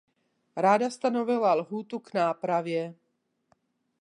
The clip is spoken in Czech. Rada stanovila lhůtu k nápravě.